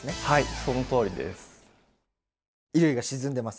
はい。